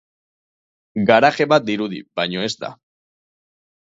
Garaje bat dirudi baina ez da.